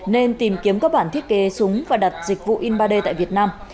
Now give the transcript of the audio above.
nên tìm kiếm các bản thiết kế súng và đặt dịch vụ in ba d tại việt nam